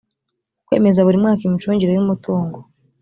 kwemeza buri mwaka imicungire y umutungo